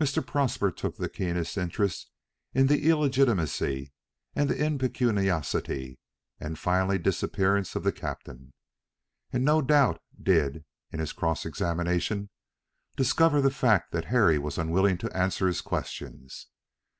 Mr. Prosper took the keenest interest in the illegitimacy and the impecuniosity and final disappearance of the captain, and no doubt did, in his cross examinations, discover the fact that Harry was unwilling to answer his questions.